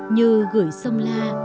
như gửi sông la